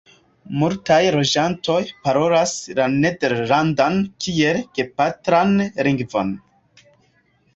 Multaj loĝantoj parolas la nederlandan kiel gepatran lingvon.